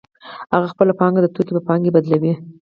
هغه خپله پانګه د توکو په پانګه بدلوي